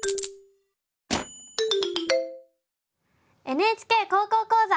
「ＮＨＫ高校講座」。